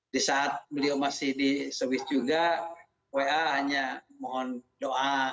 di saat beliau masih di swiss juga wa hanya mohon doa